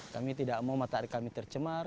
kami tidak mau mata air kami tercemar